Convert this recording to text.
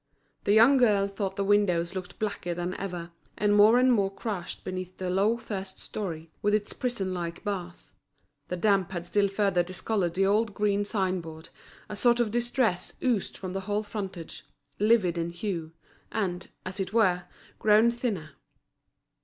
The young girl thought the windows looked blacker than ever, and more and more crushed beneath the low first storey, with its prison like bars; the damp had still further discoloured the old green sign board, a sort of distress oozed from the whole frontage, livid in hue, and, as it were, grown thinner.